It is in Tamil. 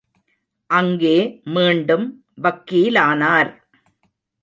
அங்கே மீண்டும் வக்கீலானார்!